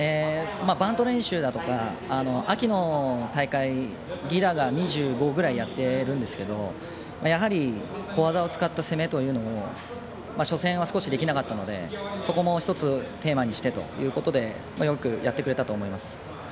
バント練習だとか、秋の大会犠打が２５ぐらいやってるんですけどやはり、小技を使った攻めというのを初戦は少しできなかったのでそこも１つテーマにしてということでよくやってくれたと思います。